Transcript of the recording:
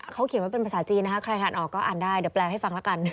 เขาเขียนไว้เป็นภาษาจีนนะคะใครอ่านออกก็อ่านได้เดี๋ยวแปลให้ฟังแล้วกัน